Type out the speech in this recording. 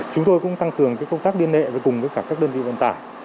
chúng tôi cũng tăng cường công tác điên lệ với cùng với các đơn vị vận tải